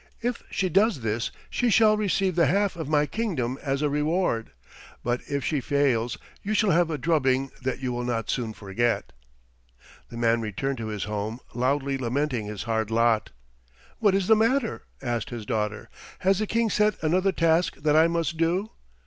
If she does this she shall receive the half of my kingdom as a reward, but if she fails you shall have a drubbing that you will not soon forget." The man returned to his home, loudly lamenting his hard lot. "What is the matter?" asked his daughter. "Has the King set another task that I must do?"